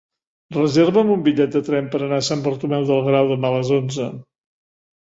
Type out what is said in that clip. Reserva'm un bitllet de tren per anar a Sant Bartomeu del Grau demà a les onze.